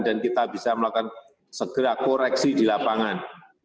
dan kita bisa melakukan segera koreksi di lapangan